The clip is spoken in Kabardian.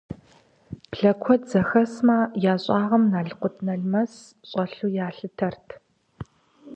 Блэ куэд зэхэсмэ, я щӀагъым налкъут-налмэс щӀэлъу ялъытэрт.